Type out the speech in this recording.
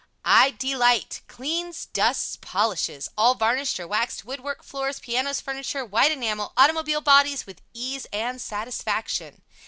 I DE LITE CLEANS DUSTS POLISHES all varnished or waxed woodwork, floors, pianos, furniture, white enamel, automobile bodies with ease and satisfaction.